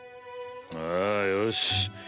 ああよし。